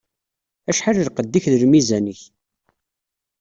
Acḥal lqedd-ik d lmizan-ik.